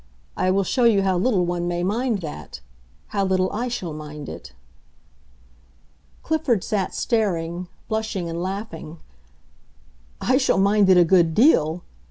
I will show you how little one may mind that—how little I shall mind it." Clifford sat staring, blushing and laughing. "I shall mind it a good deal!"